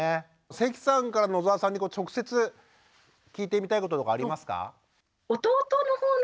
関さんから野澤さんに直接聞いてみたいこととかありますか？